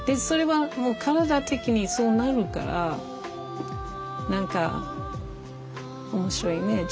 それはもう体的にそうなるから何か面白いね。